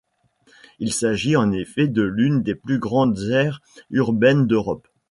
Il s'agit en effet de l'une des plus grandes aires urbaines d'Europe.